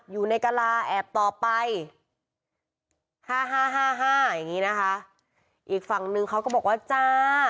อยู่ในกลาแอบต่อไป๕๕๕๕อย่างงี้นะคะอีกฝั่งนึงเขาก็บอกว่าจ้า